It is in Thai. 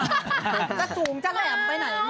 จะสูงจะแหลมไปไหน